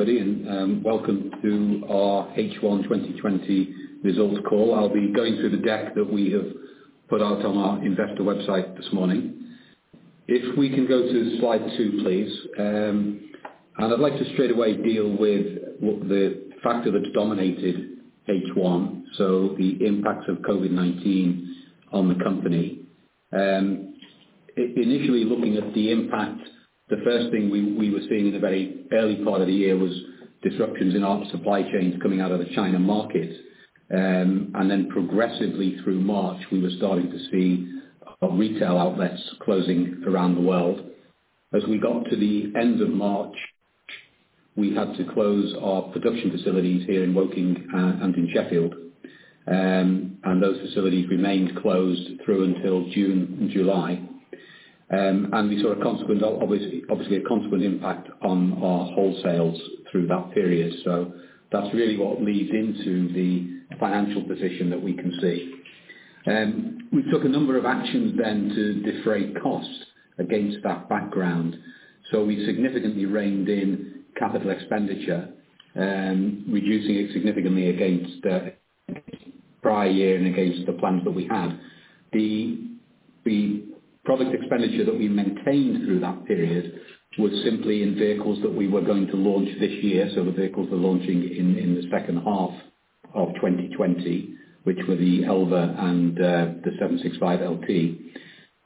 Everybody, welcome to our H1 2020 Results Call. I'll be going through the deck that we have put out on our investor website this morning. If we can go to slide two, please. I'd like to straight away deal with the factor that's dominated H1, so the impact of COVID-19 on the company. Initially, looking at the impact, the first thing we were seeing in the very early part of the year was disruptions in our supply chains coming out of the China market. Progressively through March, we were starting to see our retail outlets closing around the world. As we got to the end of March, we had to close our production facilities here in Woking and in Sheffield. Those facilities remained closed through until June and July. Obviously, a consequent impact on our wholesales through that period. That's really what leads into the financial position that we can see. We took a number of actions then to defray cost against that background. We significantly reined in capital expenditure, reducing it significantly against the prior year and against the plans that we had. The product expenditure that we maintained through that period was simply in vehicles that we were going to launch this year, so the vehicles we're launching in the second half of 2020, which were the Elva and the 765LT.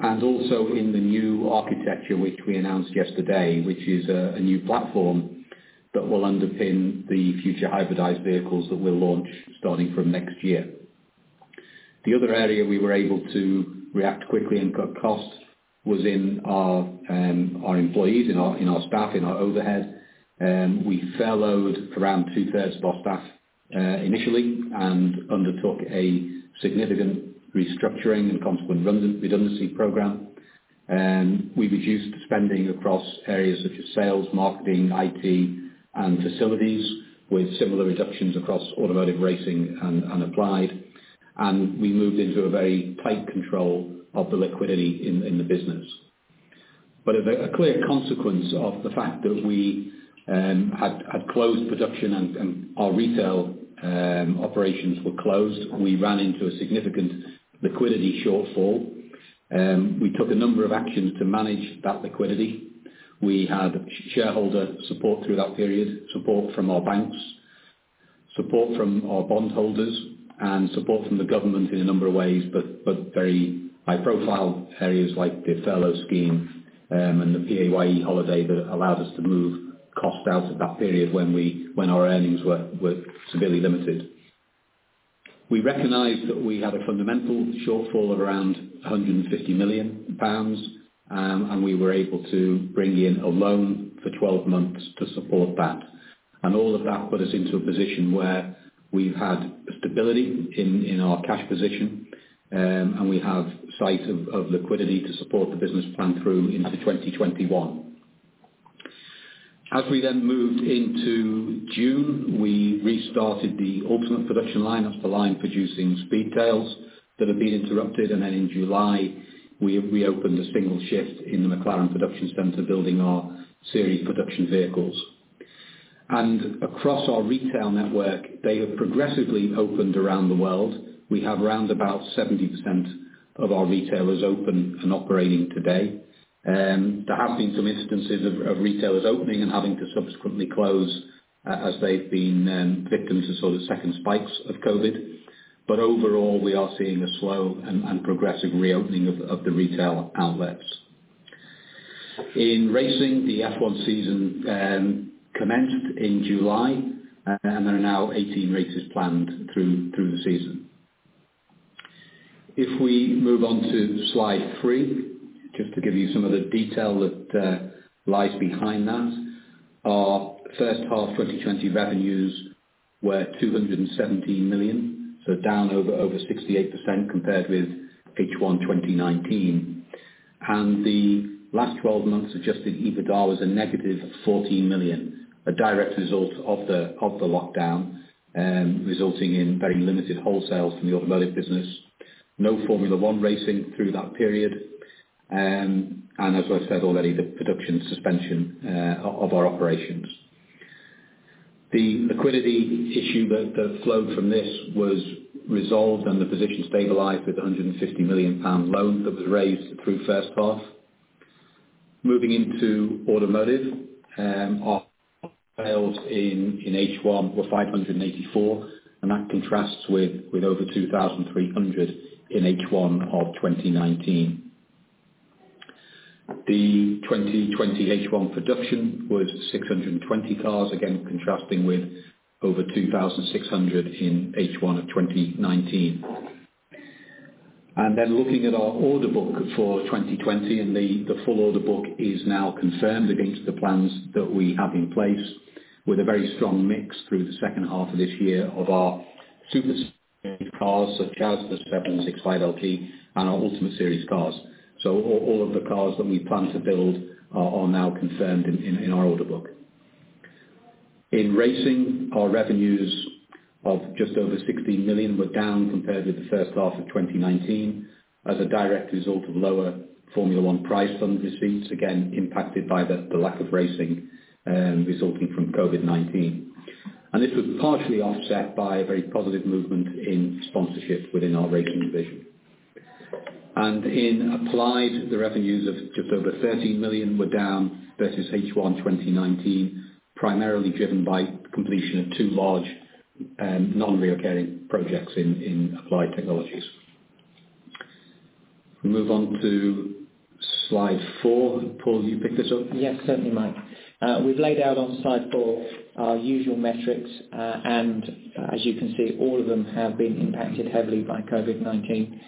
Also in the new architecture, which we announced yesterday, which is a new platform that will underpin the future hybridized vehicles that we'll launch starting from next year. The other area we were able to react quickly and cut costs was in our employees, in our staff, in our overhead. We furloughed around 2/3 of our staff initially and undertook a significant restructuring and consequent redundancy program. We reduced spending across areas such as sales, marketing, IT, and facilities, with similar reductions across Automotive Racing and Applied. We moved into a very tight control of the liquidity in the business. A clear consequence of the fact that we had closed production and our retail operations were closed, we ran into a significant liquidity shortfall. We took a number of actions to manage that liquidity. We had shareholder support through that period, support from our banks, support from our bondholders, and support from the government in a number of ways, but very high-profile areas like the furlough scheme, and the PAYE holiday that allowed us to move cost out of that period when our earnings were severely limited. We recognized that we had a fundamental shortfall of around 150 million pounds, we were able to bring in a loan for 12 months to support that. All of that put us into a position where we've had stability in our cash position, and we have sight of liquidity to support the business plan through into 2021. As we then moved into June, we restarted the Ultimate production line. That's the line producing Speedtails that had been interrupted. In July, we reopened a single shift in the McLaren Production Center, building our series production vehicles. Across our retail network, they have progressively opened around the world. We have around about 70% of our retailers open and operating today. There have been some instances of retailers opening and having to subsequently close as they've been victims of sort of second spikes of COVID. Overall, we are seeing a slow and progressive reopening of the retail outlets. In racing, the F1 season commenced in July, and there are now 18 races planned through the season. If we move on to slide three, just to give you some of the detail that lies behind that. Our first half 2020 revenues were 217 million, down over 68% compared with H1 2019. The last 12 months' adjusted EBITDA was a -14 million. A direct result of the lockdown, resulting in very limited wholesales from the automotive business, no Formula 1 racing through that period, and as I've said already, the production suspension of our operations. The liquidity issue that flowed from this was resolved and the position stabilized with the 150 million pound loan that was raised through the first half. Moving into automotive, our wholesales in H1 were 584. That contrasts with over 2,300 in H1 of 2019. The 2020 H1 production was 620 cars, again, contrasting with over 2,600 in H1 of 2019. Looking at our order book for 2020. The full order book is now confirmed against the plans that we have in place, with a very strong mix through the second half of this year of our Super Series cars, such as the 765LT and our Ultimate Series cars. All of the cars that we plan to build are now confirmed in our order book. In racing, our revenues of just over 16 million were down compared with the first half of 2019 as a direct result of lower Formula 1 prize fund receipts, again impacted by the lack of racing resulting from COVID-19. This was partially offset by a very positive movement in sponsorships within our racing division. In Applied, the revenues of just over 13 million were down versus H1 2019, primarily driven by completion of two large non-recurring projects in Applied Technologies. We move on to slide four. Paul, you pick this up? Yes, certainly, Mike. We've laid out on slide four our usual metrics, and as you can see, all of them have been impacted heavily by COVID-19.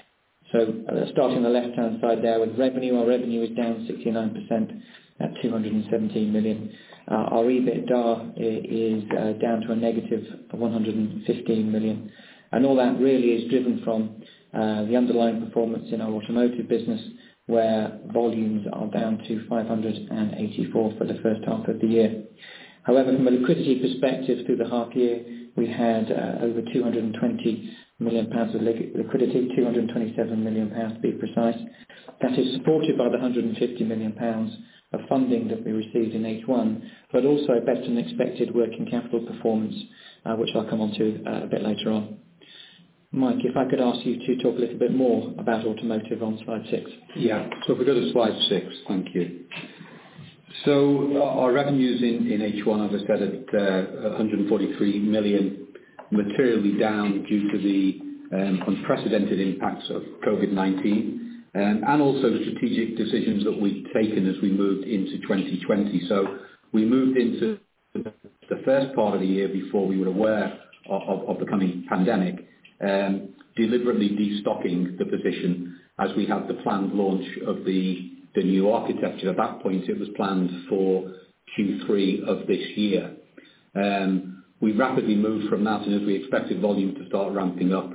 Starting the left-hand side there with revenue. Our revenue is down 69% at 217 million. Our EBITDA is down to a -115 million. All that really is driven from the underlying performance in our automotive business, where volumes are down to 584 for the first half of the year. However, from a liquidity perspective through the half year, we had over 220 million pounds of liquidity, 227 million pounds to be precise. That is supported by the 150 million pounds of funding that we received in H1, but also better than expected working capital performance, which I'll come onto a bit later on. Mike, if I could ask you to talk a little bit more about automotive on slide six. Yeah. If we go to slide six. Thank you. Our revenues in H1, as I said, at 143 million, materially down due to the unprecedented impacts of COVID-19 and also strategic decisions that we'd taken as we moved into 2020. We moved into the first part of the year before we were aware of the coming pandemic, deliberately de-stocking the position as we had the planned launch of the new architecture. At that point, it was planned for Q3 of this year. We rapidly moved from that, and as we expected volume to start ramping up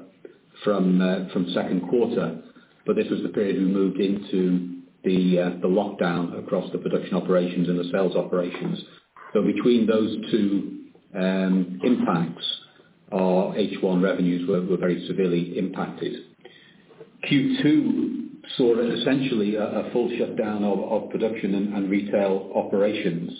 from second quarter, but this was the period we moved into the lockdown across the production operations and the sales operations. Between those two impacts, our H1 revenues were very severely impacted. Q2 saw essentially a full shutdown of production and retail operations.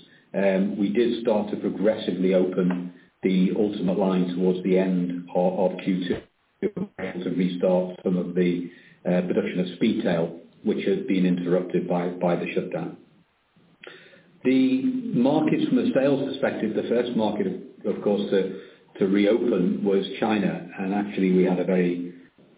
We did start to progressively open the Ultimate line towards the end of Q2 to restart some of the production of Speedtail, which had been interrupted by the shutdown. The markets from a sales perspective, the first market, of course, to reopen was China. Actually, we had a very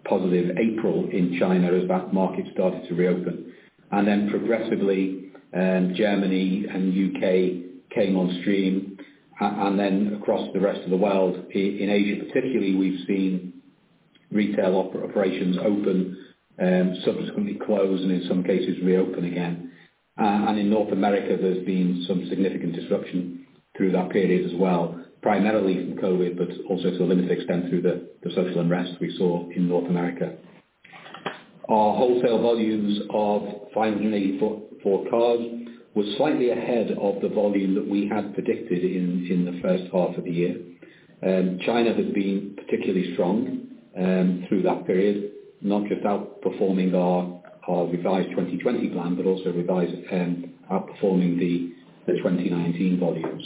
positive April in China as that market started to reopen. Progressively, Germany and U.K. came on stream. Across the rest of the world, in Asia particularly, we've seen retail operations open, subsequently close, and in some cases reopen again. In North America, there's been some significant disruption through that period as well, primarily from COVID, but also to a limited extent through the social unrest we saw in North America. Our wholesale volumes of 584 cars were slightly ahead of the volume that we had predicted in the first half of the year. China has been particularly strong through that period, not just outperforming our revised 2020 plan, but also outperforming the 2019 volumes.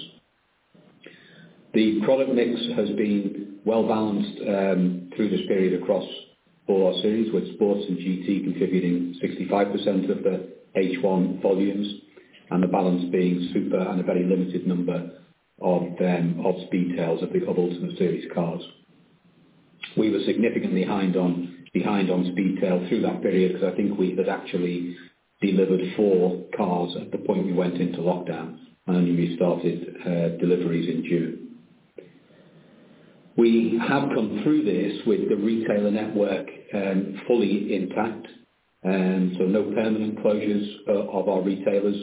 The product mix has been well balanced through this period across all our series, with Sports and GT contributing 65% of the H1 volumes and the balance being Super and a very limited number of Speedtails of Ultimate Series cars. We were significantly behind on Speedtail through that period because I think we had actually delivered four cars at the point we went into lockdown, and we restarted deliveries in June. We have come through this with the retailer network fully intact, so no permanent closures of our retailers.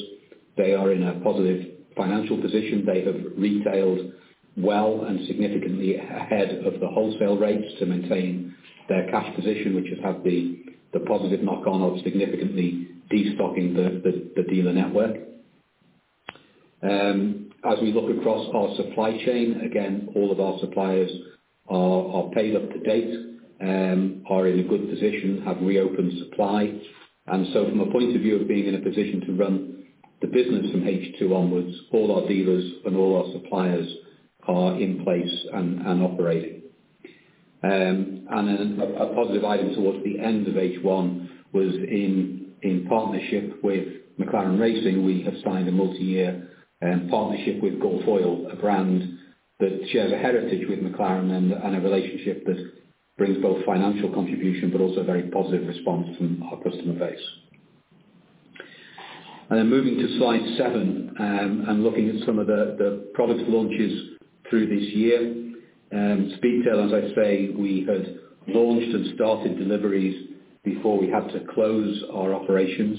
They are in a positive financial position. They have retailed well and significantly ahead of the wholesale rates to maintain their cash position, which has had the positive knock-on of significantly de-stocking the dealer network. As we look across our supply chain, again, all of our suppliers are paid up to date, are in a good position, have reopened supply. From a point of view of being in a position to run the business from H2 onwards, all our dealers and all our suppliers are in place and operating. A positive item towards the end of H1 was in partnership with McLaren Racing, we have signed a multi-year partnership with Gulf Oil, a brand that shares a heritage with McLaren and a relationship that brings both financial contribution but also a very positive response from our customer base. Moving to slide seven, and looking at some of the product launches through this year. Speedtail, as I say, we had launched and started deliveries before we had to close our operations.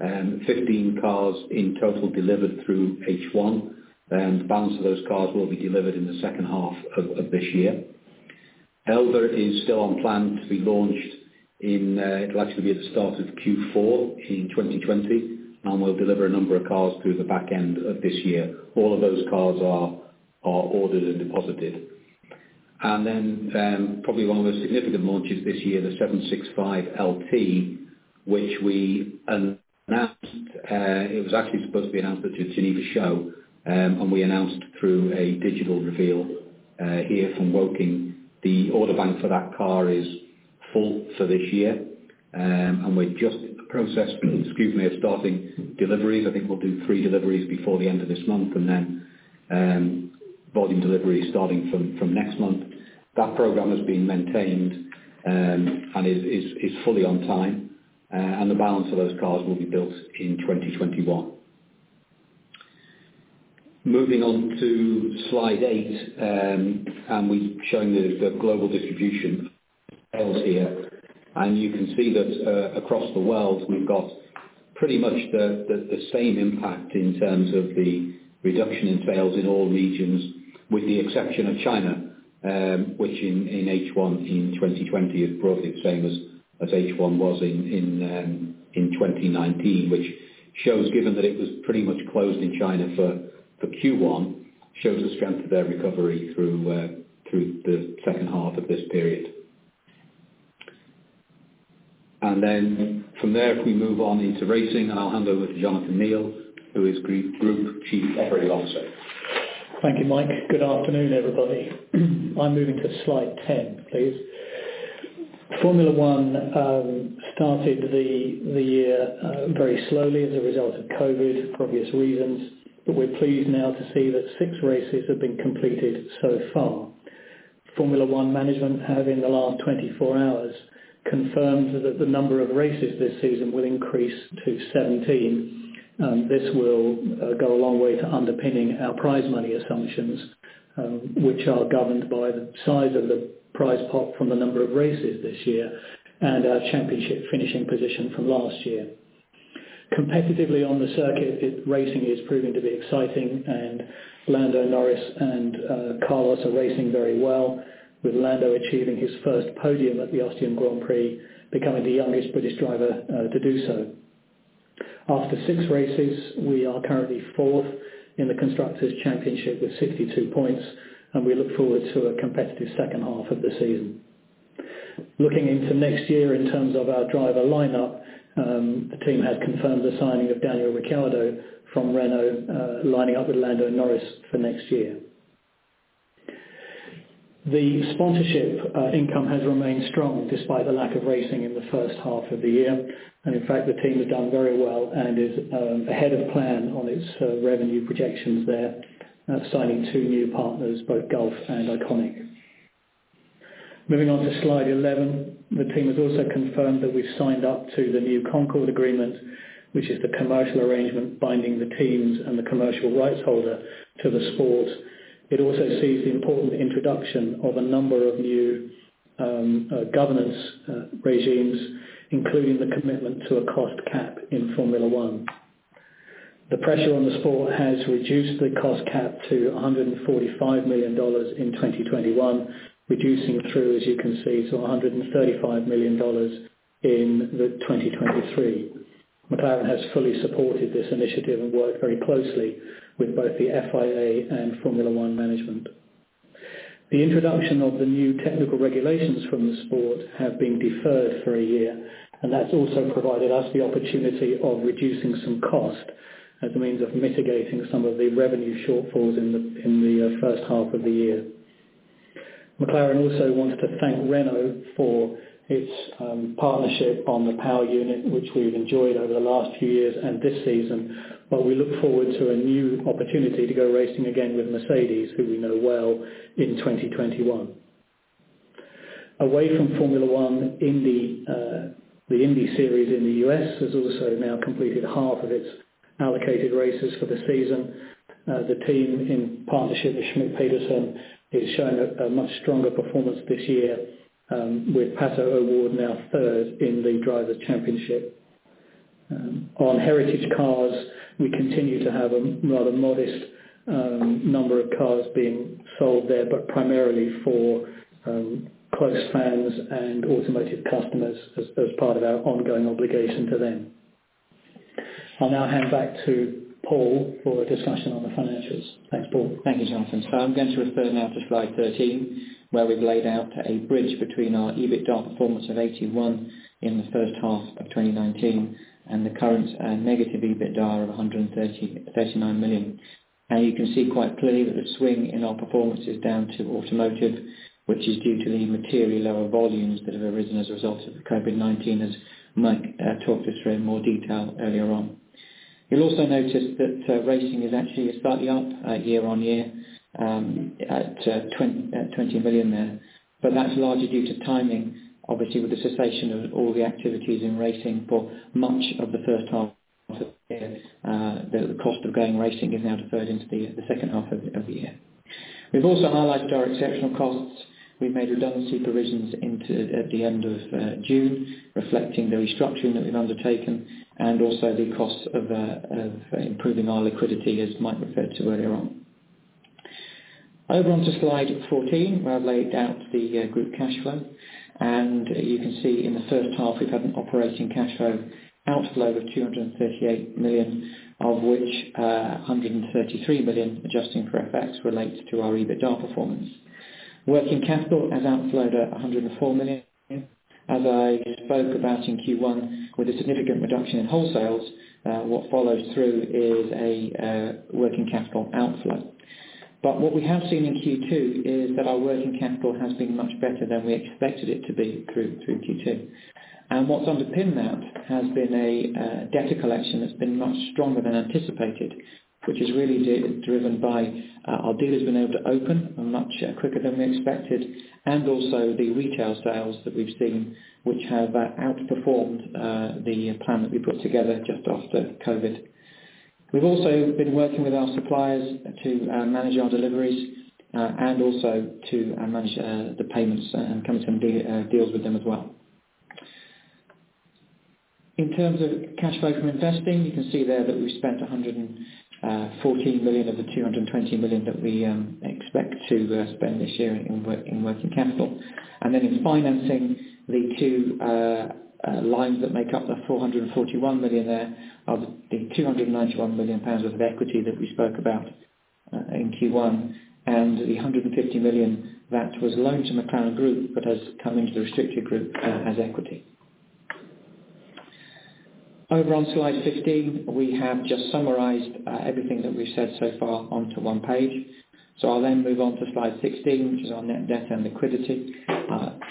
15 cars in total delivered through H1. The balance of those cars will be delivered in the second half of this year. Elva is still on plan to be launched in, it'll actually be at the start of Q4 in 2020, and we'll deliver a number of cars through the back end of this year. All of those cars are ordered and deposited. Probably one of the significant launches this year, the 765LT, which we announced. It was actually supposed to be announced at Geneva Show, and we announced through a digital reveal here from Woking. The order bank for that car is full for this year, we've just processed, excuse me, of starting deliveries. I think we'll do three deliveries before the end of this month, volume deliveries starting from next month. That program has been maintained and is fully on time. The balance of those cars will be built in 2021. Moving on to slide eight, we're showing the global distribution sales here. You can see that across the world, we've got pretty much the same impact in terms of the reduction in sales in all regions, with the exception of China, which in H1 in 2020 is broadly the same as H1 was in 2019. Which shows, given that it was pretty much closed in China for Q1, shows the strength of their recovery through the second half of this period. From there, if we move on into racing, I'll hand over to Jonathan Neale, who is Group Chief Operating Officer. Thank you, Mike. Good afternoon, everybody. I'm moving to slide 10, please. Formula 1 started the year very slowly as a result of COVID for obvious reasons. We're pleased now to see that six races have been completed so far. Formula 1 management have, in the last 24 hours, confirmed that the number of races this season will increase to 17. This will go a long way to underpinning our prize money assumptions, which are governed by the size of the prize pot from the number of races this year and our championship finishing position from last year. Competitively on the circuit, racing is proving to be exciting. Lando Norris and Carlos are racing very well, with Lando achieving his first podium at the Austrian Grand Prix, becoming the youngest British driver to do so. After six races, we are currently fourth in the Constructors' Championship with 62 points. We look forward to a competitive second half of the season. Looking into next year in terms of our driver lineup, the team has confirmed the signing of Daniel Ricciardo from Renault, lining up with Lando Norris for next year. The sponsorship income has remained strong despite the lack of racing in the first half of the year. In fact, the team has done very well and is ahead of plan on its revenue projections there, signing two new partners, both Gulf and IQONIQ. Moving on to slide 11. The team has also confirmed that we've signed up to the new Concorde Agreement, which is the commercial arrangement binding the teams and the commercial rights holder to the sport. It also sees the important introduction of a number of new governance regimes, including the commitment to a cost cap in Formula 1. The pressure on the sport has reduced the cost cap to $145 million in 2021, reducing through, as you can see, to $135 million in 2023. McLaren has fully supported this initiative and worked very closely with both the FIA and Formula 1 management. The introduction of the new technical regulations from the sport have been deferred for a year, and that's also provided us the opportunity of reducing some cost as a means of mitigating some of the revenue shortfalls in the first half of the year. McLaren also wanted to thank Renault for its partnership on the power unit, which we've enjoyed over the last few years and this season. We look forward to a new opportunity to go racing again with Mercedes, who we know well, in 2021. Away from Formula 1, the Indy series in the U.S. has also now completed half of its allocated races for the season. The team, in partnership with Schmidt Peterson, is showing a much stronger performance this year, with Pato O'Ward now third in the Drivers' Championship. On heritage cars, we continue to have a rather modest number of cars being sold there, but primarily for close fans and automotive customers as part of our ongoing obligation to them. I'll now hand back to Paul for a discussion on the financials. Thanks. Paul. Thank you, Jonathan. I'm going to refer now to slide 13, where we've laid out a bridge between our EBITDA performance of 81 in the first half of 2019 and the current -EBITDA of 139 million. You can see quite clearly that the swing in our performance is down to automotive, which is due to the materially lower volumes that have arisen as a result of the COVID-19, as Mike talked us through in more detail earlier on. You'll also notice that racing is actually slightly up year on year, at 20 million there. That's largely due to timing, obviously, with the cessation of all the activities in racing for much of the first half of the year. The cost of going racing is now deferred into the second half of the year. We've also highlighted our exceptional costs. We made redundancy provisions into the end of June, reflecting the restructuring that we've undertaken and also the cost of improving our liquidity, as Mike referred to earlier on. Over onto slide 14, where I've laid out the group cash flow. You can see in the first half, we've had an operating cash flow outflow of 238 million, of which 133 million, adjusting for FX, relates to our EBITDA performance. Working capital has outflowed at 104 million. As I spoke about in Q1, with a significant reduction in wholesales, what follows through is a working capital outflow. What we have seen in Q2 is that our working capital has been much better than we expected it to be through Q2. What's underpinned that has been a debtor collection that's been much stronger than anticipated, which is really driven by our dealers being able to open much quicker than we expected, and also the retail sales that we've seen, which have outperformed the plan that we put together just after COVID. We've also been working with our suppliers to manage our deliveries, to manage the payments and come to some deals with them as well. In terms of cash flow from investing, you can see there that we've spent 114 million of the 220 million that we expect to spend this year in working capital. In financing, the two lines that make up the 441 million there, of the 291 million pounds of equity that we spoke about in Q1, and the 150 million that was loaned to McLaren Group but has come into the restricted group as equity. Over on slide 15, we have just summarized everything that we've said so far onto one page. I'll move on to slide 16, which is our net debt and liquidity.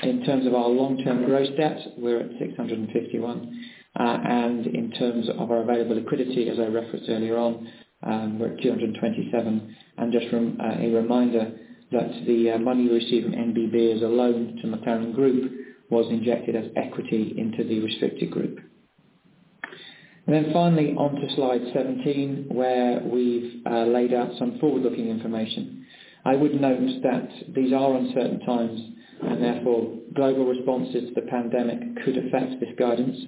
In terms of our long-term gross debt, we're at 651 million. In terms of our available liquidity, as I referenced earlier on, we're at 227 million. Just a reminder that the money we received from NBB as a loan to McLaren Group was injected as equity into the restricted group. Finally, onto slide 17, where we've laid out some forward-looking information. I would note that these are uncertain times, and therefore global responses to the pandemic could affect this guidance.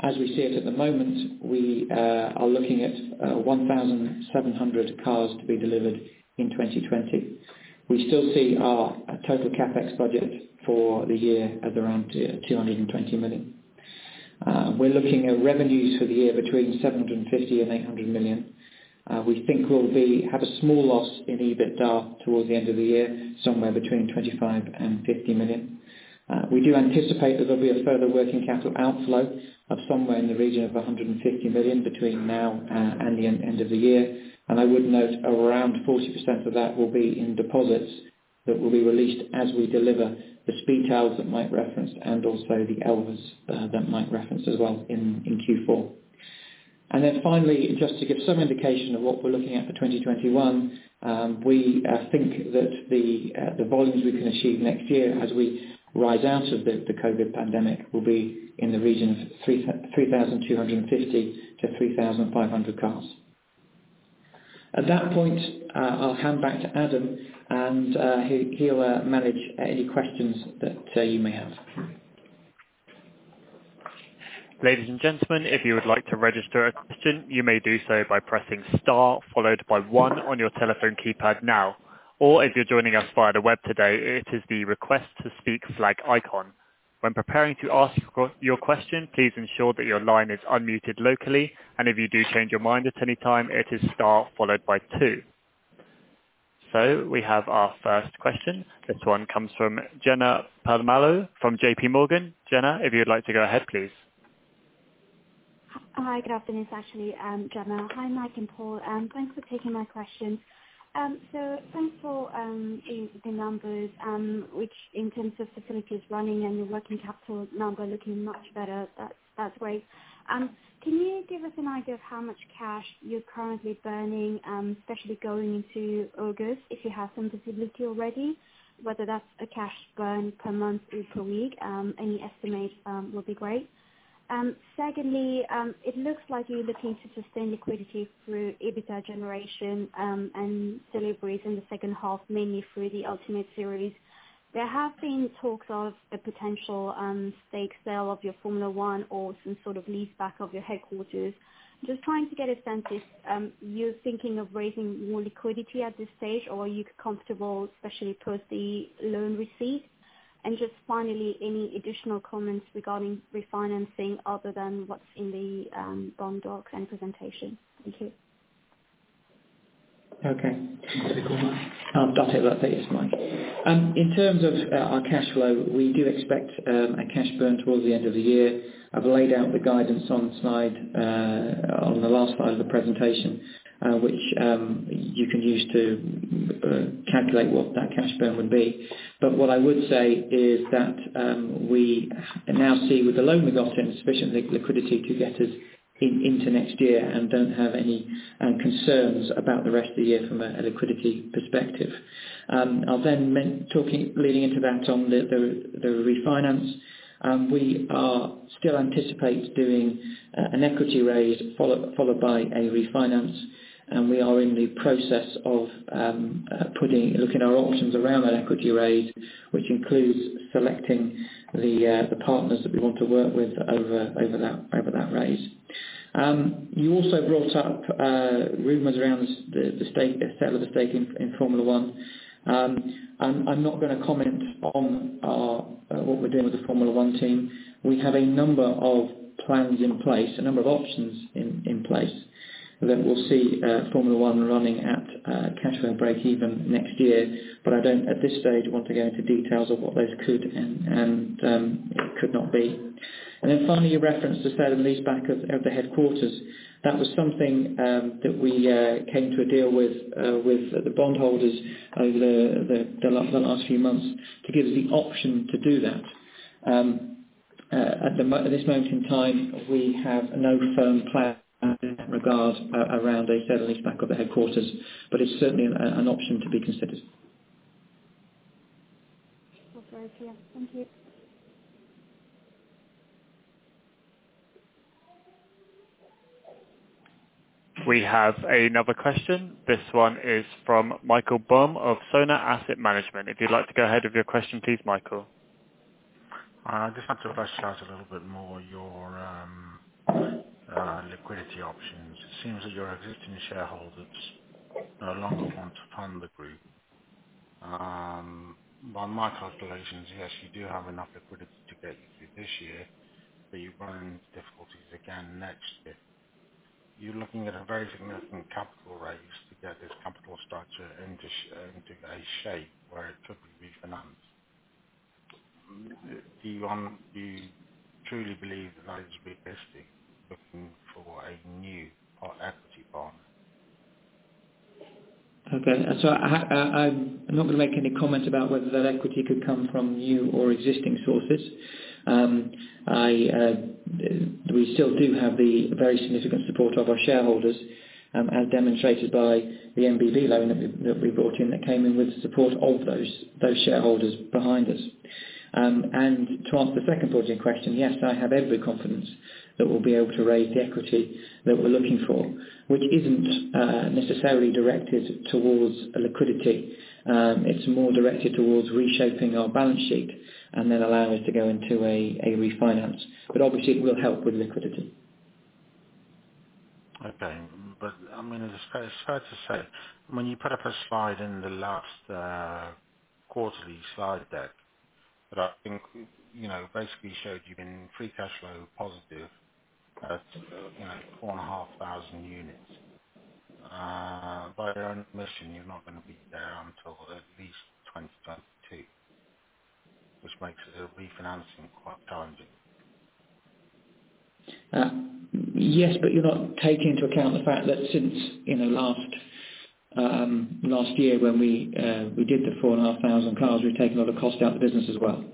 As we see it at the moment, we are looking at 1,700 cars to be delivered in 2020. We still see our total CapEx budget for the year at around 220 million. We're looking at revenues for the year between 750 million and 800 million. We think we'll have a small loss in EBITDA towards the end of the year, somewhere between 25 million and 50 million. We do anticipate that there'll be a further working capital outflow of somewhere in the region of 150 million between now and the end of the year. I would note around 40% of that will be in deposits that will be released as we deliver the Speedtails that Mike referenced and also the Elvas that Mike referenced as well in Q4. Finally, just to give some indication of what we're looking at for 2021, we think that the volumes we can achieve next year as we rise out of the COVID pandemic will be in the region of 3,250 to 3,500 cars. At that point, I'll hand back to Adam, and he'll manage any questions that you may have. We have our first question. This one comes from Jenna Palmieri from JPMorgan. Jenna, if you'd like to go ahead, please. Hi, good afternoon. It's actually Jenna. Hi, Mike and Paul. Thanks for taking my question. Thanks for the numbers, which in terms of facilities running and your working capital number looking much better, that's great. Can you give us an idea of how much cash you're currently burning, especially going into August, if you have some visibility already, whether that's a cash burn per month or per week? Any estimate would be great. Secondly, it looks like you're looking to sustain liquidity through EBITDA generation and deliveries in the second half, mainly through the Ultimate Series. There have been talks of a potential stake sale of your Formula 1 or some sort of lease back of your headquarters. I'm just trying to get a sense if you're thinking of raising more liquidity at this stage or are you comfortable, especially post the loan receipt? Just finally, any additional comments regarding refinancing other than what's in the bond docs and presentation? Thank you. Got it. Yes, Mike. In terms of our cash flow, we do expect a cash burn towards the end of the year. I've laid out the guidance on the last slide of the presentation, which you can use to calculate what that cash burn would be. What I would say is that we now see with the loan we got, sufficient liquidity to get us into next year and don't have any concerns about the rest of the year from a liquidity perspective. I'll lead into that on the refinance. We still anticipate doing an equity raise followed by a refinance, we are in the process of looking at our options around that equity raise, which includes selecting the partners that we want to work with over that raise. You also brought up rumors around the sale of the stake in Formula 1. I'm not going to comment on what we're doing with the Formula 1 team. We have a number of plans in place, a number of options in place that will see Formula 1 running at cash flow breakeven next year. I don't, at this stage, want to go into details of what those could and could not be. Finally, you referenced the sale and leaseback of the headquarters. That was something that we came to a deal with the bondholders over the last few months to give us the option to do that. At this moment in time, we have no firm plan in that regard around a sale and leaseback of the headquarters, but it's certainly an option to be considered. Okay. Thank you. We have another question. This one is from Michael Bum of Sonar Asset Management. If you'd like to go ahead with your question, please, Michael. I just want to flesh out a little bit more your liquidity options. It seems that your existing shareholders no longer want to fund the group. By my calculations, yes, you do have enough liquidity to get you through this year, but you run into difficulties again next year. You're looking at a very significant capital raise to get this capital structure into a shape where it could be financed. Do you truly believe that that is realistic, looking for a new equity partner? I'm not going to make any comment about whether that equity could come from new or existing sources. We still do have the very significant support of our shareholders, as demonstrated by the NBB loan that we brought in, that came in with support of those shareholders behind us. To answer the second part of your question, yes, I have every confidence that we'll be able to raise the equity that we're looking for, which isn't necessarily directed towards liquidity. It's more directed towards reshaping our balance sheet and then allow us to go into a refinance. Obviously it will help with liquidity. Okay. It's fair to say, when you put up a slide in the last quarterly slide deck, that I think basically showed you've been free cash flow positive at 4,500 units. By their own admission, you're not going to be there until at least 2022, which makes the refinancing quite challenging. Yes, you're not taking into account the fact that since last year when we did the 4,500 cars, we've taken a lot of cost out of the business as well.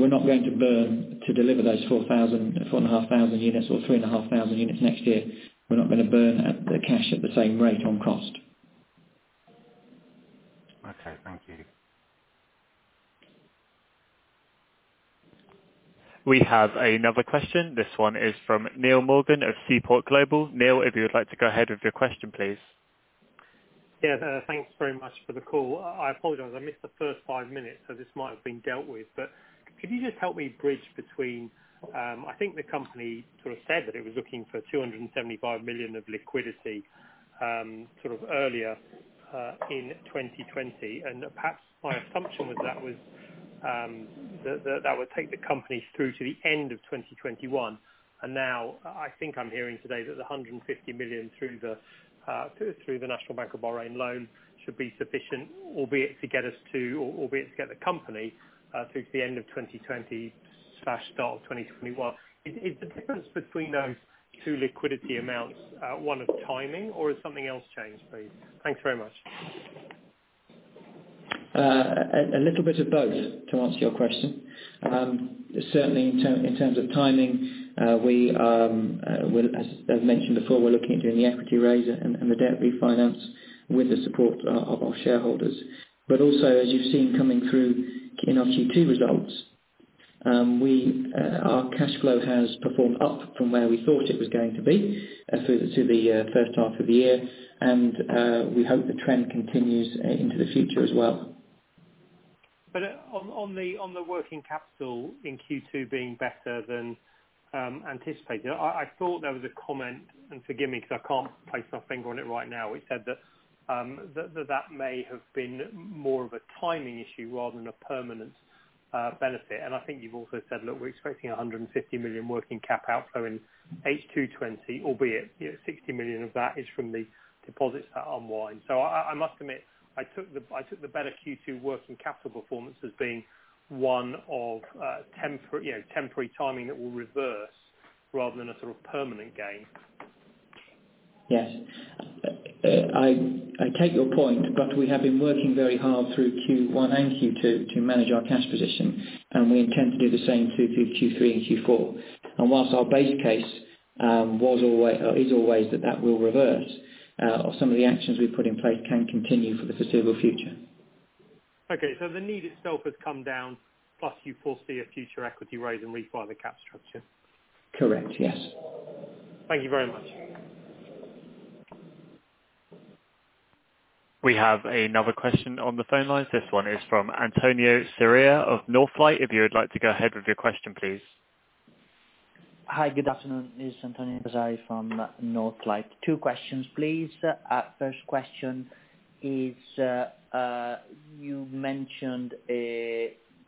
We're not going to burn to deliver those 4,500 units or 3,500 units next year. We're not going to burn the cash at the same rate on cost. Okay. Thank you. We have another question. This one is from Neil Morgan of Seaport Global. Neil, if you would like to go ahead with your question, please. Yeah. Thanks very much for the call. I apologize, I missed the first five minutes, so this might have been dealt with. Could you just help me bridge between, I think the company sort of said that it was looking for 275 million of liquidity earlier in 2020, perhaps my assumption with that was that that would take the company through to the end of 2021. Now I think I'm hearing today that the 150 million through the National Bank of Bahrain loan should be sufficient, albeit to get the company through to the end of 2020/start of 2021. Is the difference between those two liquidity amounts one of timing or has something else changed, please? Thanks very much. A little bit of both, to answer your question. Certainly in terms of timing, as mentioned before, we're looking at doing the equity raise and the debt refinance with the support of our shareholders. Also, as you've seen coming through in our Q2 results, our cash flow has performed up from where we thought it was going to be through to the first half of the year. We hope the trend continues into the future as well. On the working capital in Q2 being better than anticipated, I thought there was a comment, and forgive me because I can't place my finger on it right now. It said that that may have been more of a timing issue rather than a permanent benefit. I think you've also said, look, we're expecting 150 million working cap outflow in H2 2020, albeit 60 million of that is from the deposits at Elva. I must admit, I took the better Q2 working capital performance as being one of temporary timing that will reverse rather than a sort of permanent gain. Yes. I take your point, but we have been working very hard through Q1 and Q2 to manage our cash position, and we intend to do the same through Q3 and Q4. Whilst our base case is always that that will reverse, some of the actions we've put in place can continue for the foreseeable future. Okay. The need itself has come down, plus you foresee a future equity raise and refi the cap structure. Correct. Yes. Thank you very much. We have another question on the phone lines. This one is from Antonio Saria of Northlight. If you would like to go ahead with your question, please. Hi, good afternoon. It's Antonio Saria from Northlight. Two questions, please. First question is, you mentioned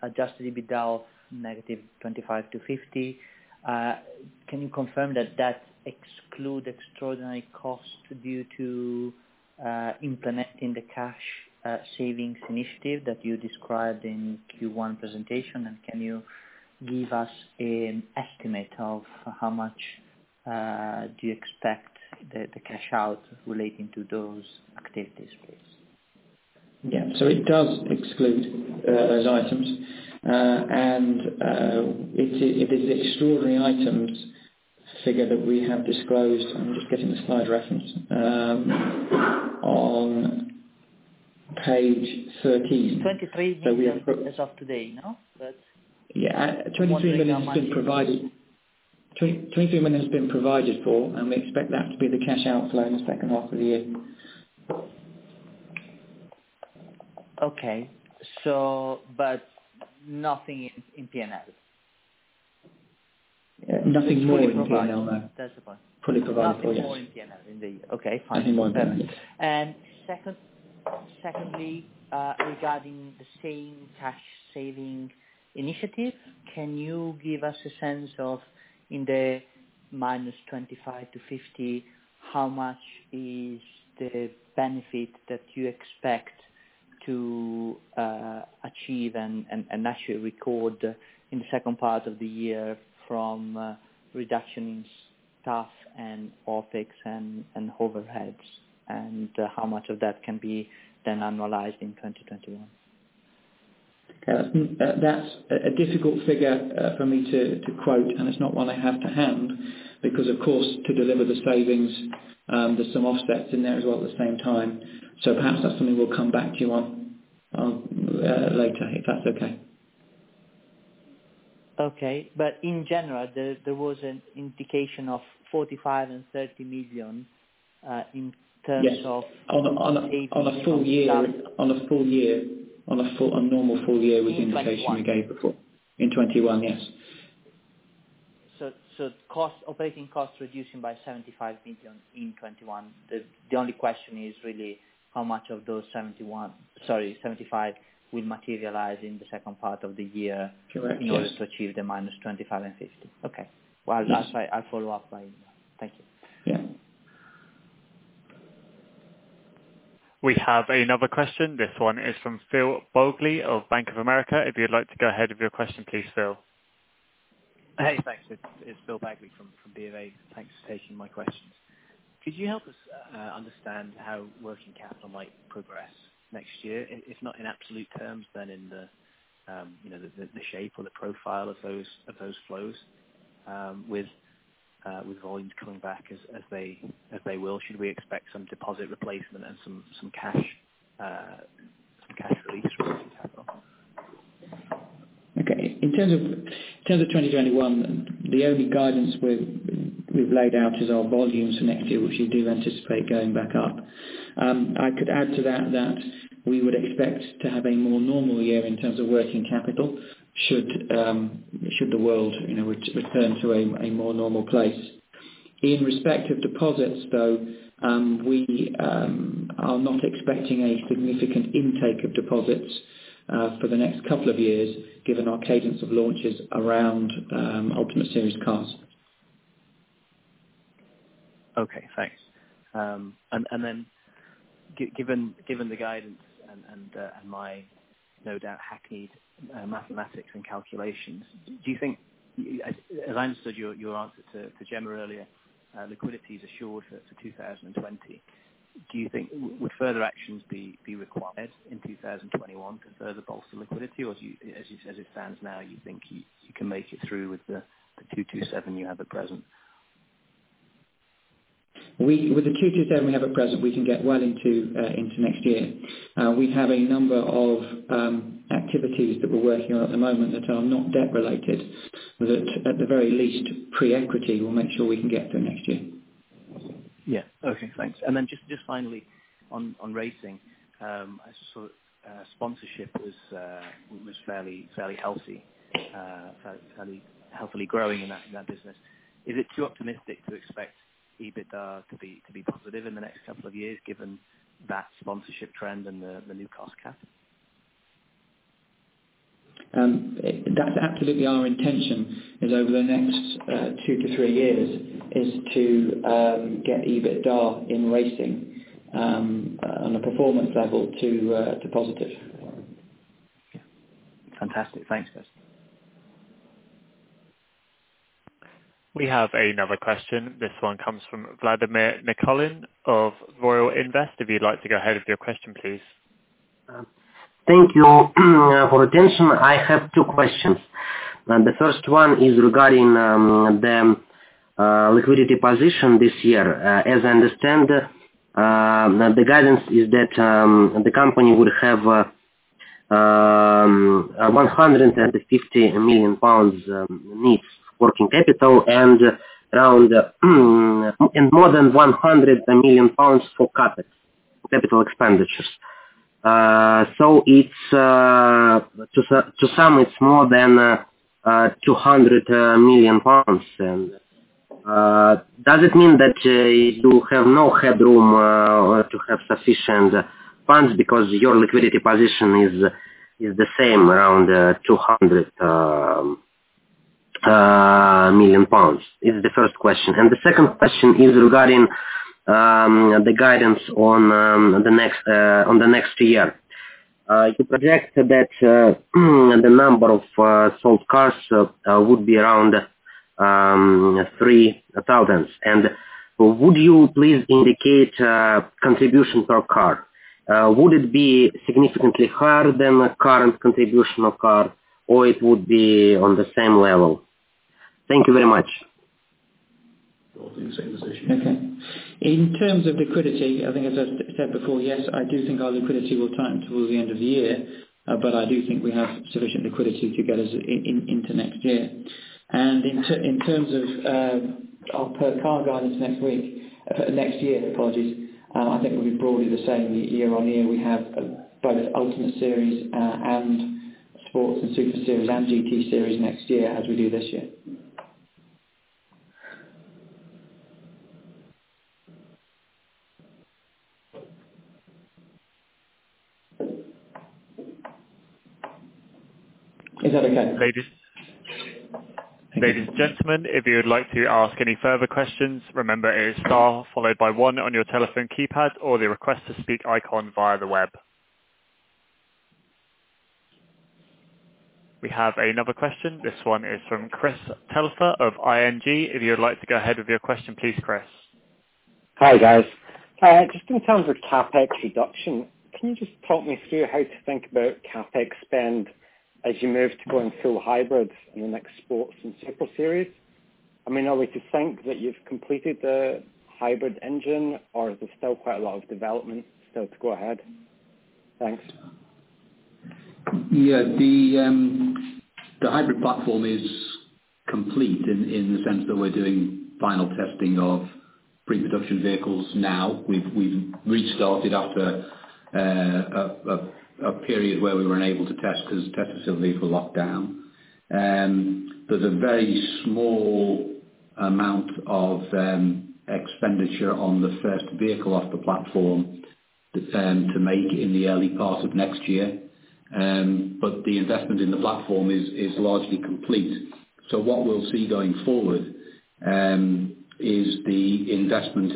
adjusted EBITDA of -25 to 50. Can you confirm that includes extraordinary costs due to implementing the cash savings initiative that you described in Q1 presentation, and can you give us an estimate of how much do you expect the cash out relating to those activities, please? Yeah. It does exclude those items. It is extraordinary items figure that we have disclosed. I am just getting the slide reference. On page 13. 23 million as of today more cash. Yeah. 23 million has been provided. 23 million has been provided for. We expect that to be the cash outflow in the second half of the year. Okay. Nothing in P&L. Nothing more in P&L, no. That's the point. Fully provided, yes. Nothing more in P&L. Okay, fine. Nothing more in P&L. Secondly, regarding the same cash saving initiative, can you give us a sense of in the -25 to 50, how much is the benefit that you expect to achieve and actually record in the second part of the year from reduction in staff and OpEx and overheads, and how much of that can be then annualized in 2021? That's a difficult figure for me to quote, and it's not one I have to hand because, of course, to deliver the savings, there's some offsets in there as well at the same time. Perhaps that's something we'll come back to you on later, if that's okay. Okay. In general, there was an indication of 45 million and 30 million. Yes. On a normal full year was the indication we gave before. In 2021, yes. Operating costs reducing by 75 million in 2021. The only question is really how much of those 75 will materialize in the second part of the year in order to achieve the -5 and -50. Well, I'll follow up. Thank you. We have another question. This one is from Phil Bagley of Bank of America. If you'd like to go ahead with your question, please, Phil. Hey, thanks. It's Phil Bagley from BofA. Thanks for taking my questions. Could you help us understand how working capital might progress next year, if not in absolute terms, then in the shape or the profile of those flows? With volumes coming back as they will, should we expect some deposit replacement and some cash release from working capital? In terms of 2021, the only guidance we've laid out is our volumes for next year, which we do anticipate going back up. I could add to that we would expect to have a more normal year in terms of working capital should the world return to a more normal place. In respect of deposits, though, we are not expecting a significant intake of deposits for the next couple of years given our cadence of launches around Ultimate Series cars. Okay, thanks. Given the guidance and my no doubt hackneyed mathematics and calculations, as I understood your answer to Jenna earlier, liquidity is assured for 2020. Do you think would further actions be required in 2021 to further bolster liquidity, or as it stands now, you think you can make it through with the 227 you have at present? With the 227 we have at present, we can get well into next year. We have a number of activities that we're working on at the moment that are not debt-related, that at the very least pre-equity, we'll make sure we can get through next year. Yeah. Okay, thanks. Just finally on racing. I just saw sponsorship was fairly healthily growing in that business. Is it too optimistic to expect EBITDA to be positive in the next couple of years given that sponsorship trend and the new cost cap? That's absolutely our intention, is over the next two to three years is to get EBITDA in racing on a performance level to positive. Yeah. Fantastic. Thanks, guys. We have another question. This one comes from Vladimir Nikolin of Royal Invest. If you'd like to go ahead with your question, please. Thank you for attention. I have two questions. The first one is regarding the liquidity position this year. As I understand, the guidance is that the company would have 150 million pounds needs working capital and more than 100 million pounds for CapEx, capital expenditures. To sum, it's more than 200 million pounds. Does it mean that you have no headroom to have sufficient funds because your liquidity position is the same, around 200 million pounds? Is the first question. The second question is regarding the guidance on the next year. You project that the number of sold cars would be around 3,000. Would you please indicate contribution per car? Would it be significantly higher than the current contribution of car, or it would be on the same level? Thank you very much. Okay. In terms of liquidity, I think as I said before, yes, I do think our liquidity will tighten toward the end of the year, but I do think we have sufficient liquidity to get us into next year. In terms of our per car guidance next year, I think it will be broadly the same year on year. We have both Ultimate Series and Sports Series and Super Series and GT Series next year as we do this year. Is that okay? Ladies, gentlemen, if you would like to ask any further questions, remember it is star followed by one on your telephone keypad or the Request to Speak icon via the web. We have another question. This one is from Chris Taelman of ING. If you would like to go ahead with your question, please, Chris. Hi, guys. Just in terms of CapEx reduction, can you just talk me through how to think about CapEx spend as you move to going full hybrids in the next Sports Series and Super Series? Are we to think that you've completed the hybrid engine or is there still quite a lot of development still to go ahead? Thanks. Yeah. The hybrid platform is complete in the sense that we're doing final testing of pre-production vehicles now. We've restarted after a period where we were unable to test because the test facility for lockdown. There's a very small amount of expenditure on the first vehicle off the platform to make in the early part of next year. The investment in the platform is largely complete. What we'll see going forward, is the investment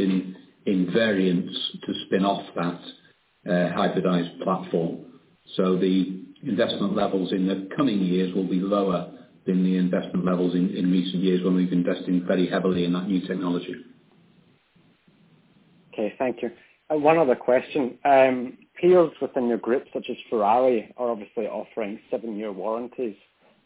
in variants to spin off that hybridized platform. The investment levels in the coming years will be lower than the investment levels in recent years when we've invested very heavily in that new technology. Okay. Thank you. One other question. Peers within your group, such as Ferrari, are obviously offering seven-year warranties.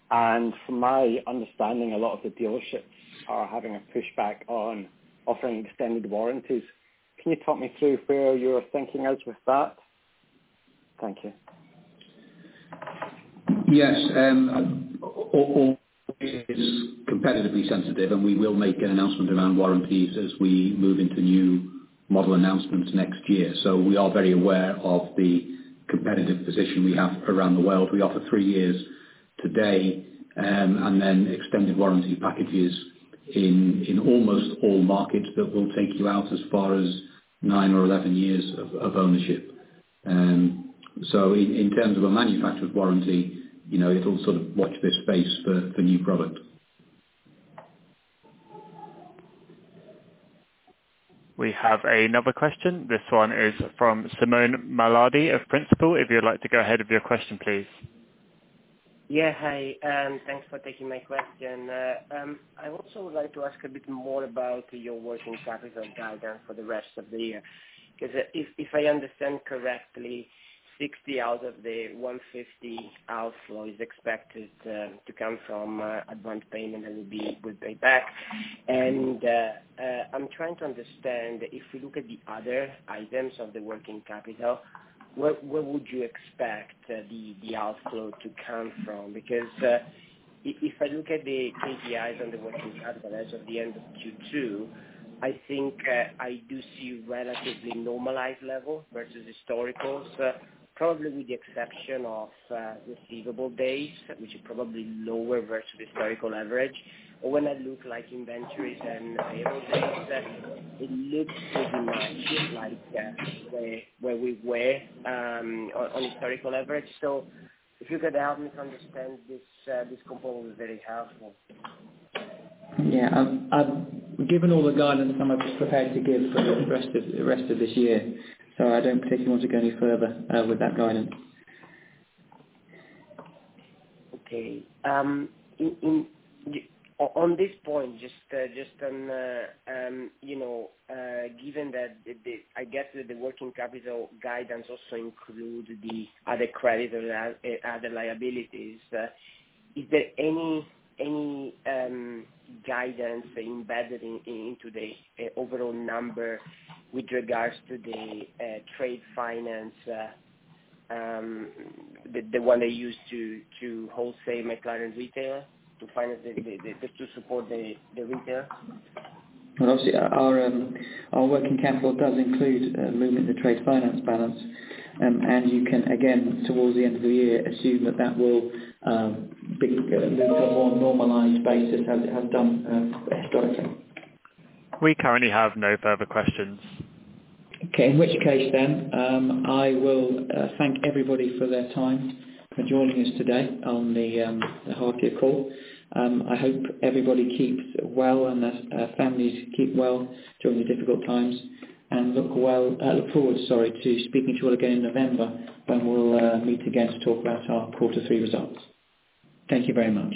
From my understanding, a lot of the dealerships are having a pushback on offering extended warranties. Can you talk me through where you are thinking as with that? Thank you. Yes. All is competitively sensitive, and we will make an announcement around warranties as we move into new model announcements next year. We are very aware of the competitive position we have around the world. We offer three years today, and then extended warranty packages in almost all markets that will take you out as far as nine or 11 years of ownership. In terms of a manufacturer's warranty, it'll sort of watch this space for new product. We have another question. This one is from Simone Mallardi of Principal. If you'd like to go ahead with your question, please. Yeah. Hi, thanks for taking my question. I also would like to ask a bit more about your working capital guidance for the rest of the year. If I understand correctly, 60 out of the 150 outflow is expected to come from advanced payment that will be paid back. I'm trying to understand, if we look at the other items of the working capital, where would you expect the outflow to come from? If I look at the KPIs and the working capital as of the end of Q2, I think I do see relatively normalized level versus historicals, probably with the exception of receivable days, which is probably lower versus historical average. When I look like inventories and it looks pretty much like where we were on historical average. If you could help me to understand this component, it would be very helpful. Yeah. I've given all the guidance I'm prepared to give for the rest of this year. I don't particularly want to go any further with that guidance. Okay. On this point, just given that, I guess the working capital guidance also include the other credit and other liabilities. Is there any guidance embedded into the overall number with regards to the trade finance, the one they use to wholesale McLaren retail just to support the retail? Well, obviously our working capital does include movement of trade finance balance. You can, again, towards the end of the year, assume that that will be moved to a more normalized basis as it has done historically. We currently have no further questions. Okay. In which case then, I will thank everybody for their time for joining us today on the half year call. I hope everybody keeps well and their families keep well during the difficult times. Look forward, sorry, to speaking to you all again in November when we'll meet again to talk about our quarter three results. Thank you very much.